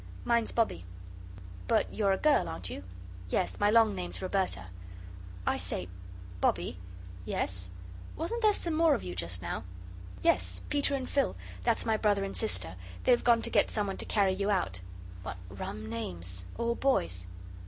"Mine's Bobbie." "But you're a girl, aren't you?" "Yes, my long name's Roberta." "I say Bobbie." "Yes?" "Wasn't there some more of you just now?" "Yes, Peter and Phil that's my brother and sister. They've gone to get someone to carry you out." "What rum names. All boys'."